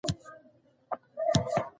نوی شعر د قواعدو څخه آزاده دی.